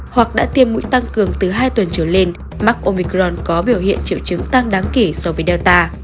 hoặc đã tiêm mũi tăng cường từ hai tuần trở lên mắc omicron có biểu hiện triệu chứng tăng đáng kể so với data